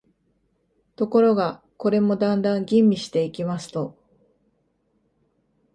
ところが、これもだんだん吟味していきますと、